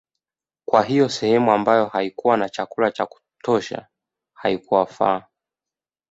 Kwa hiyo sehemu ambayo haikuwa na chakula cha kutosha haikuwafaa